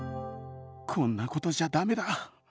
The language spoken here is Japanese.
こんなことじゃ駄目だ。